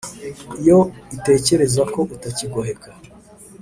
iyo itekereza ko utakigoheka